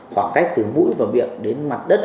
khoảng cách từ mũi và miệng đến mặt đất